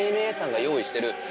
ＡＮＡさんが用意してる